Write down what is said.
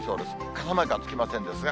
傘マークはつきませんですが。